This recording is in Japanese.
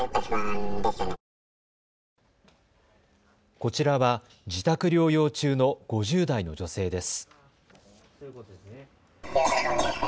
こちらは自宅療養中の５０代の女性です。